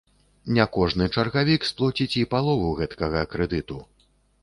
Не кожны чаргавік сплоціць і палову гэткага крэдыту.